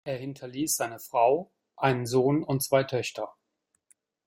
Er hinterließ seine Frau, einen Sohn und zwei Töchter.